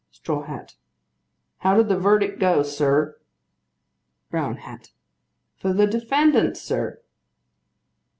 STRAW HAT. How did the verdict go, sir? BROWN HAT. For the defendant, sir.